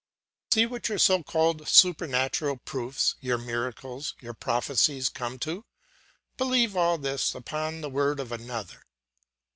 "See what your so called supernatural proofs, your miracles, your prophecies come to: believe all this upon the word of another.